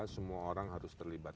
semua orang harus terlibat